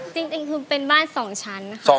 จริงคือเป็นบ้านสองชั้น